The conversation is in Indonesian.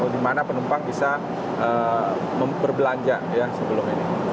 di mana penumpang bisa berbelanja sebelum ini